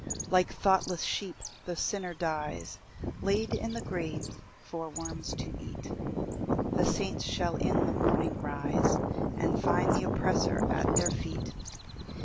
4 Like thoughtless sheep the sinner dies, Laid in the grave for worms to eat; The saints shall in the morning rise, And find th' oppressor at their feet.